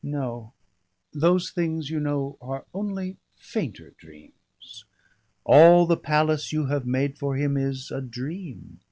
"No." "Those things, you know, are only fainter dreams. All the palace you have made for him is a dream.